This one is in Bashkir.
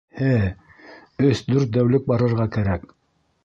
Һе, өс-дүрт тәүлек барырға кәрәк.